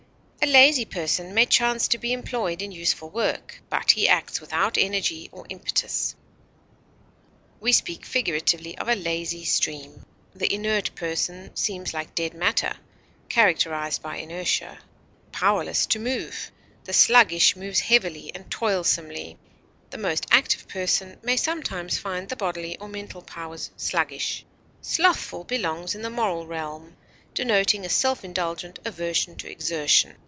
A lazy person may chance to be employed in useful work, but he acts without energy or impetus. We speak figuratively of a lazy stream. The inert person seems like dead matter (characterized by inertia), powerless to move; the sluggish moves heavily and toilsomely; the most active person may sometimes find the bodily or mental powers sluggish. Slothful belongs in the moral realm, denoting a self indulgent aversion to exertion.